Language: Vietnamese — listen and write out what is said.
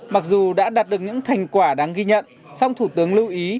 mặc dù đã đạt được những thành quả đáng ghi nhận song thủ tướng lưu ý